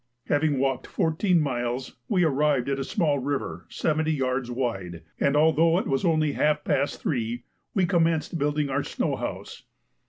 Having walked fourteen miles, we arrived at a small river 70 yards wide, and, although it was only half past three, we commenced building our snow house.